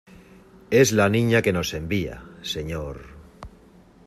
es la Niña que nos envía, señor...